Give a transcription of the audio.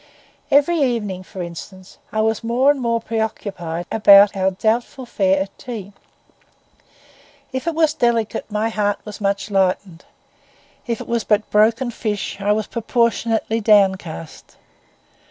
Every evening, for instance, I was more and more preoccupied about our doubtful fare at tea. If it was delicate my heart was much lightened; if it was but broken fish I was proportionally downcast.